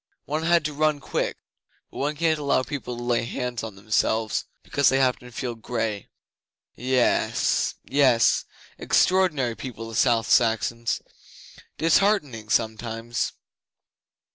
One had to run quick, but one can't allow people to lay hands on themselves because they happen to feel grey. Yes yess Extraordinary people, the South Saxons. Disheartening, sometimes....